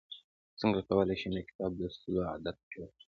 څنګه کولی شم د کتاب لوستلو عادت جوړ کړم